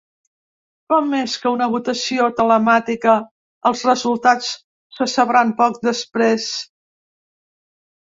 Com que és una votació telemàtica, els resultats se sabran poc després.